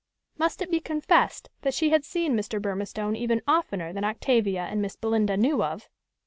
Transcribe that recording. Must it be confessed that she had seen Mr. Burmistone even oftener than Octavia and Miss Belinda knew of?